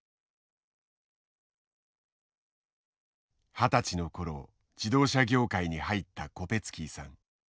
二十歳の頃自動車業界に入ったコペツキーさん。